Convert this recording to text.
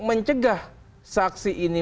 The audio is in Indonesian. mencegah saksi ini